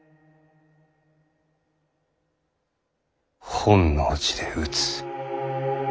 本能寺で討つ。